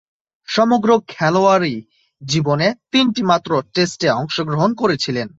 সমগ্র খেলোয়াড়ী জীবনে তিনটিমাত্র টেস্টে অংশগ্রহণ করেছিলেন।